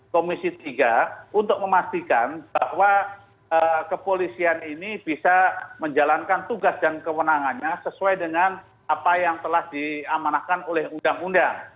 komisi tiga untuk memastikan bahwa kepolisian ini bisa menjalankan tugas dan kewenangannya sesuai dengan apa yang telah diamanahkan oleh undang undang